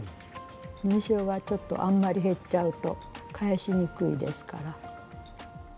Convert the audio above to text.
縫い代がちょっとあんまり減っちゃうと返しにくいですから。